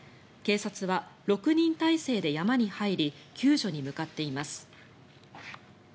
警察は６人態勢で山に入り救助に向かっています。